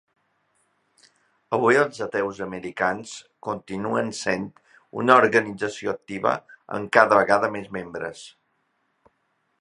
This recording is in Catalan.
Avui els Ateus Americans continuen sent una organització activa amb cada vegada més membres.